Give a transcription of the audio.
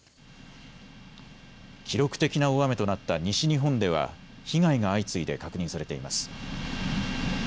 記録的な大雨となった西日本では被害が相次いで確認されています。